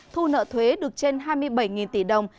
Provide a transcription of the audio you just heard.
thu nợ thuế được trên hai mươi bảy